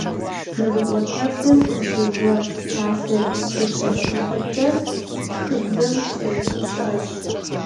Жьэрыӏуэтэбзэм къыщезэгъ псалъэ зэкӏэлъыхьыкӏэр тхыбзэм щемыкӏу щыӏэщ.